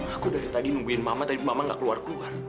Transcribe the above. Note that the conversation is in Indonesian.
aku dari tadi nungguin mama tadi mama gak keluar keluar